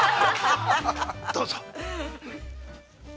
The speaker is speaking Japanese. どうぞ。